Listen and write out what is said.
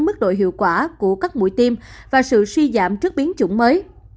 mức độ hiệu quả của các mũi tiêm và sự suy giảm trước biến chủng mới